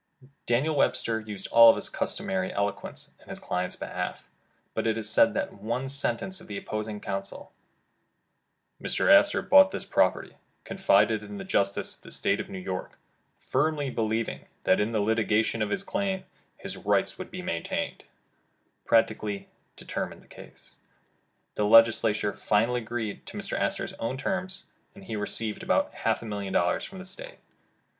Daniel Webster used all his customary elo quence in his client's behalf, but it is said that one sentence, of the opposing counsel: ''Mr. Astor bought this property, confiding in the justice of the State of New York, firmly believing that in the litigation of his claim, his rights would be maintained," practically de cided the case. The Legislature finally agreed to Mr. Astor 's own terms, and he received about half a million dollars from the State.